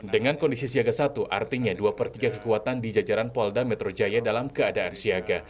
dengan kondisi siaga satu artinya dua per tiga kekuatan di jajaran polda metro jaya dalam keadaan siaga